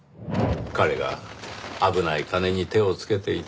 彼が危ない金に手をつけていた事を。